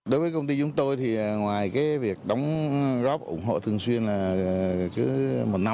cảm ơn quỹ đã kính cập nhật b merit cho yeaapn